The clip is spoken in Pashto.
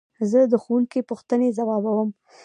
زه د ښوونکي پوښتنې ځوابوم.